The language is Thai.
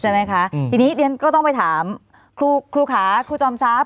ชั้นสอบสวนทีนี้เรียนก็ต้องไปถามครูขาครูจอมทรัพย์